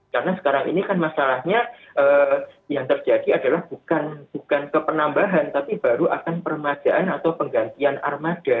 karena sekarang ini kan masalahnya yang terjadi adalah bukan kepenambahan tapi baru akan permadaan atau penggantian armada